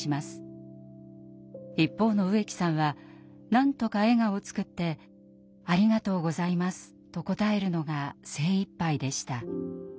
一方の植木さんはなんとか笑顔を作って「ありがとうございます」と答えるのが精いっぱいでした。